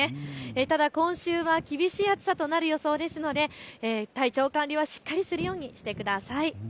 ただ今週は厳しい暑さとなる予想ですので体調管理はしっかりするようにしてください。